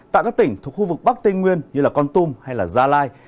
tại các tỉnh thuộc khu vực bắc tây nguyên như là con tum hay là gia lai